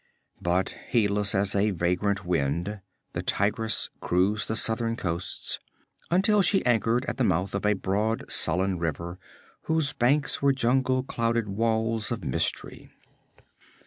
But heedless as a vagrant wind, the Tigress cruised the southern coasts, until she anchored at the mouth of a broad sullen river, whose banks were jungle clouded walls of mystery.